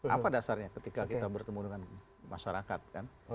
apa dasarnya ketika kita bertemu dengan masyarakat kan